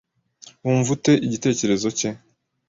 Wumva ute igitekerezo cye?